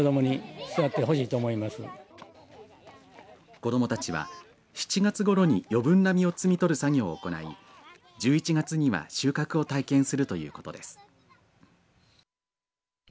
子どもたちは７月ごろに余分な実を摘み取る作業を行い１１月には収穫を体験するということです。